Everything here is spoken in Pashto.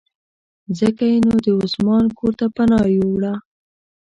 ځکه یې نو د عثمان کورته پناه یووړه.